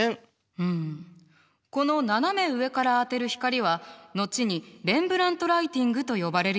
うんこの斜め上から当てる光は後にレンブラントライティングと呼ばれるようになったの。